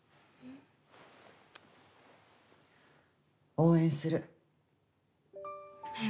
応援する。